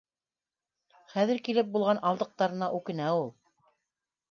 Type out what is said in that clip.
Хәҙер килеп булған алдыҡтарына үкенә ул